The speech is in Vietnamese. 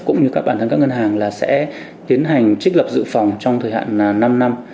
cũng như các bản thân các ngân hàng sẽ tiến hành trích lập dự phòng trong thời hạn năm năm